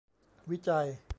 วิจัย